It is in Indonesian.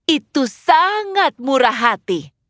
itu sangat murah hati